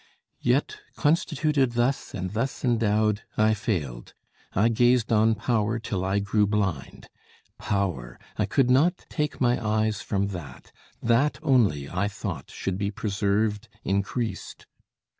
"Yet, constituted thus and thus endowed, I failed; I gazed on power till I grew blind. Power I could not take my eyes from that; That only I thought should be preserved, increased.